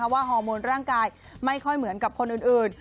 ฮอร์โมนร่างกายไม่ค่อยเหมือนกับคนอื่น